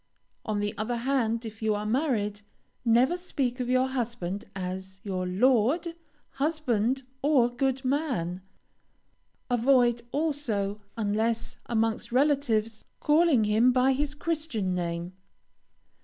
On the other hand, if you are married, never speak of your husband as your "lord," "husband," or "good man," avoid, also, unless amongst relatives, calling him by his Christian name.